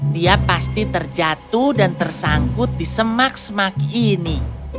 dia pasti terjatuh dan tersangkut di semak semak ini